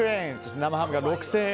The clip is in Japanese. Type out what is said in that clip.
生ハムが６０００円。